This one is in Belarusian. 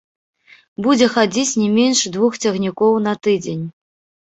Будзе хадзіць не менш двух цягнікоў на тыдзень.